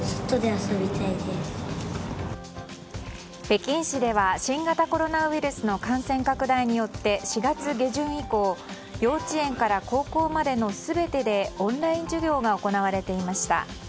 北京市では新型コロナウイルスの感染拡大によって４月下旬以降幼稚園から高校までの全てでオンライン授業が行われていました。